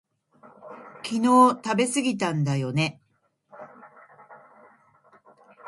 昨日食べすぎたんだよね